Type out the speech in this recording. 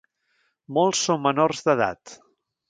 Molts són menors d'edat.